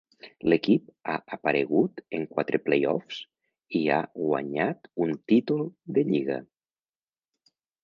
L'equip ha aparegut en quatre "play-offs" i ha guanyat un títol de lliga.